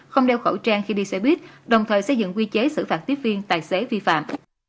không đeo khẩu trang khi đi xe buýt đồng thời xây dựng quy chế xử phạt tiếp viên tài xế vi phạm